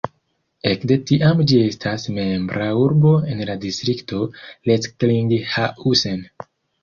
Ekde tiam ĝi estas membra urbo en la distrikto Recklinghausen.